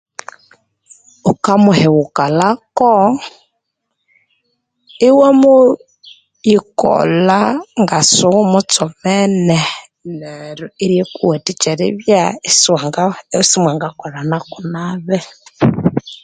Wukamuhengukalhako iwamukolha ngasiwumutsomeno neryo eryakuwatikya eribya isimwangakolhano nabi